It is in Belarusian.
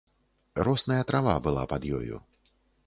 Росная трава была пад ёю.